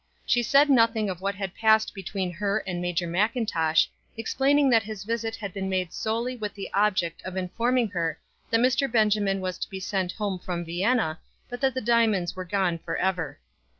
She said nothing of what had passed between her and Major Mackintosh, explaining that his visit had been made solely with the object of informing her that Mr. Benjamin was to be sent home from Vienna, but that the diamonds were gone for ever.